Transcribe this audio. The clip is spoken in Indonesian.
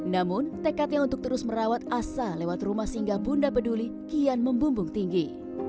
namun tekadnya untuk terus merawat asa lewat rumah singgah bunda peduli kian membumbung tinggi